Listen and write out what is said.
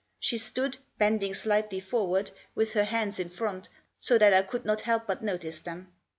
She stood, bending slightly forward, with her hands in front, so that I could not help but notice them.